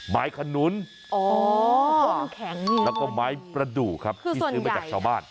ไม้ขนุนอ๋อแล้วก็ไม้ประดูกครับที่ซื้อมาจากชาวบ้าน